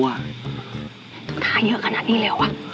ต้องทาเยอะขนาดนี้เลยวะ